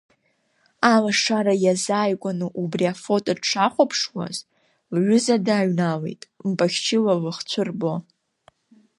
Алашара иазааигәаны, убри афото дшахәаԥшуаз, лҩыза дааҩналеит, мпахьшьыла лыхцәы рбо.